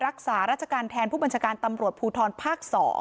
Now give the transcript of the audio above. รักษาราชการแทนผู้บัญชาการตำรวจภูทรภาค๒